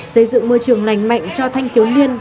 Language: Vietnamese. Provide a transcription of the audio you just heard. xây dựng môi trường lành mạnh cho thanh thiếu niên